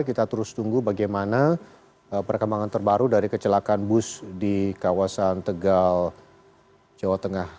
kita terus tunggu bagaimana perkembangan terbaru dari kecelakaan bus di kawasan tegal jawa tengah